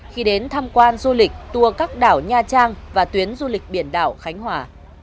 khi đến tham quan du lịch tour các đảo nha trang và tuyến du lịch biển đảo khánh hòa